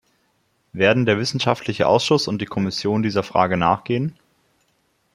Werden der wissenschaftliche Ausschuss und die Kommission dieser Frage nachgehen?